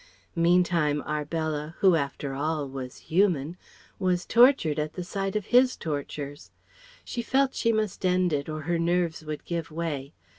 Meantime Arbella, who after all was human, was tortured at the sight of his tortures. She felt she must end it, or her nerves would give way.